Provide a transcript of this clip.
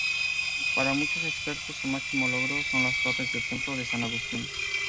Para muchos expertos, su máximo logro son las torres del templo de San Agustín.